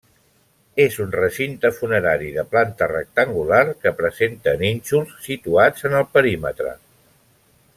És un recinte funerari de planta rectangular, que presenta nínxols situats en el perímetre.